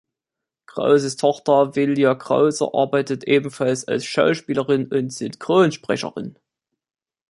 Krauses Tochter Velia Krause arbeitet ebenfalls als Schauspielerin und Synchronsprecherin.